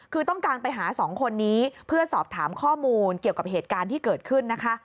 คือต้องการไปหาสองคนนี้เพื่อสอบถามข้อมูลเกี่ยวกับเหตุการณ์ที่เกิดขึ้นนะคะ